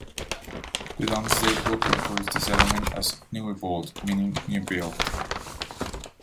The Domesday Book records the settlement as "Niwebold" meaning 'New Build'.